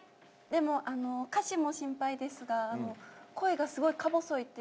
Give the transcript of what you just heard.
でも歌詞も心配ですが声がすごいか細いっていう。